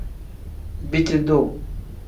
Biti duu.